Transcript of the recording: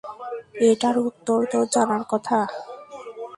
এটার উত্তর তোর জানার কথা!